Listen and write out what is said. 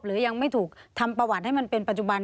หรือยังไม่ถูกทำประวัติให้มันเป็นปัจจุบัน